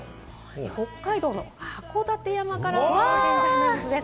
北海道の函館山からの現在の様子です。